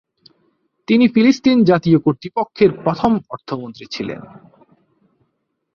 তিনি ফিলিস্তিন জাতীয় কর্তৃপক্ষের প্রথম অর্থমন্ত্রী ছিলেন।